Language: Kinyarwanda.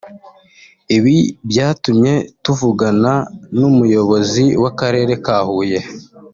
Ibi byatumye tuvugana n’umuyobozi w’Akarere ka Huye